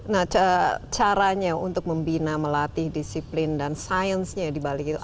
nah caranya untuk membina melatih disiplin dan sainsnya dibalik itu